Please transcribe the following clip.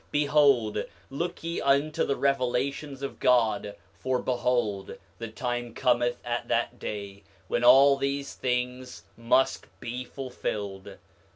Behold, look ye unto the revelations of God; for behold, the time cometh at that day when all these things must be fulfilled.